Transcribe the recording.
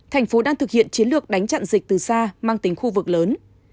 thành phố đang thực hiện chiến lược đánh chặn dịch từ xa mang tính khu vực lớn